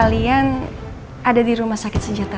kemarin kalian ada di rumah sakit senjata rahat kan